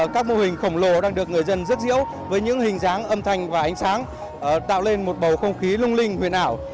các mô hình khổng lồ đang được người dân rước diễu với những hình dáng âm thanh và ánh sáng tạo lên một bầu không khí lung linh huyền ảo